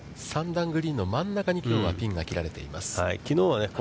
３段グリーンの真ん中にきょうはピンが切られています。